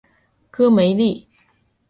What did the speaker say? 戈梅利。